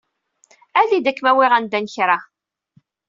Ali-d. Ad kem-awiɣ anda kra.